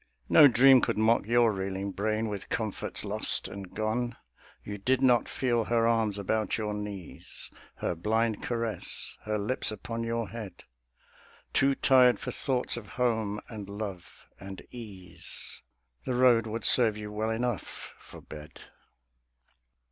No dream could mock Your reeling brain with comforts lost and gone. You did not feel her arms about your knees, Her blind caress, her lips upon your head: Too tired for thoughts of home and love and ease, The road would serve you well enough for bed.